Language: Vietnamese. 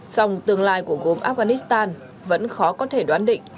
song tương lai của gốm afghanistan vẫn khó có thể đoán định